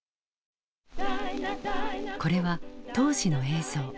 これは当時の映像。